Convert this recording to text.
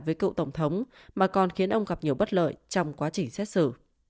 với cựu tổng thống mà còn khiến ông gặp nhiều bất lợi trong quá trình xét xử